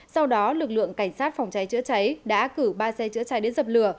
sau đó lực lượng cảnh sát phòng cháy chữa cháy đã cử ba xe chữa cháy đến dập lửa